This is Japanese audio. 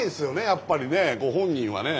やっぱりねご本人はね。